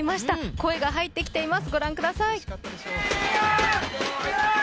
声が入ってきています。